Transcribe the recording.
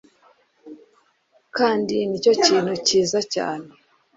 kandi ni cyo kintu cyiza cyane